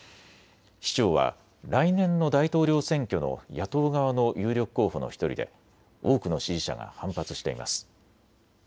市長は来年の大統領選挙の野党側の有力候補の１人で多くの支持者が反発しています。